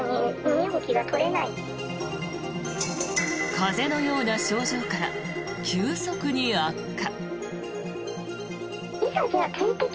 風邪のような症状から急速に悪化。